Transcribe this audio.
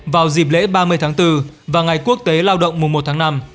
vào dịp lễ ba mươi tháng bốn và ngày quốc tế lao động mùa một tháng năm